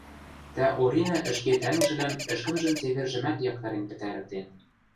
тӓ Оринӓ ӹшке тӓнгжӹлӓн ӹшкӹмжӹн цевержӹмӓт яктарен пӹтӓрӹктен